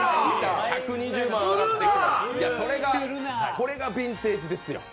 これがヴィンテージですよ